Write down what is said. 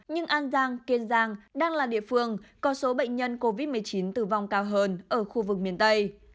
nhưng an giang kiên giang đang là địa phương có số bệnh nhân covid một mươi chín tử vong cao hơn ở khu vực miền tây